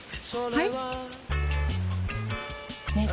はい！